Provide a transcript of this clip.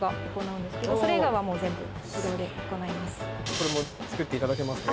これも作っていただけますか？